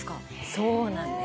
そうなんです。